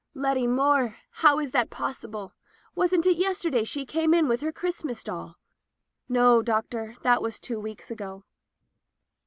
"Letty Moore! How is that possible? Wasn't it yesterday she came in with her Christmas doll?" "No, Doctor, that was two weeks ago.'